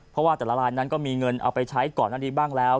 เพราะว่าแต่ละลายนั้นก็มีเงินเอาไปใช้ก่อนอันนี้บ้างแล้ว